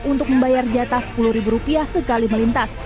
untuk membayar jatah sepuluh ribu rupiah sekali melintas